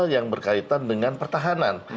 yang berkaitan dengan pertahanan